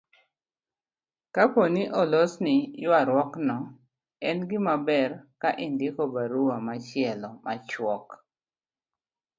Kapo ni olosni ywaruokno, en gimaber ka indiko barua machielo machuok